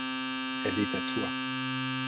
Elle est à toi.